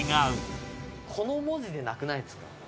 この文字でなくないですか？